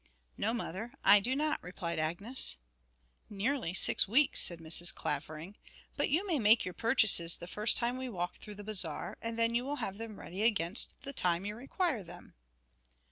'No, mother; I do not,' replied Agnes. 'Nearly six weeks,' said Mrs. Clavering; 'but you may make your purchases the first time we walk through the Bazaar, and then you will have them ready against the time you require them.'